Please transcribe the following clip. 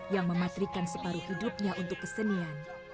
yang mematrikan separuh hidupnya untuk kesenian